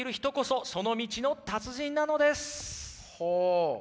ほう。